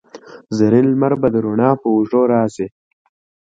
زرین لمر به د روڼا په اوږو راشي